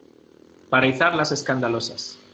para izar las escandalosas.